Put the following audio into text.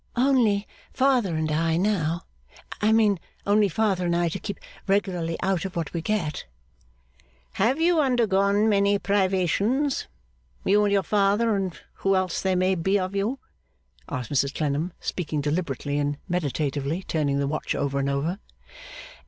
'Only father and I, now. I mean, only father and I to keep regularly out of what we get.' 'Have you undergone many privations? You and your father and who else there may be of you?' asked Mrs Clennam, speaking deliberately, and meditatively turning the watch over and over.